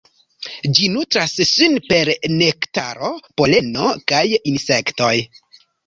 Ĝi nutras sin per nektaro, poleno kaj insektoj.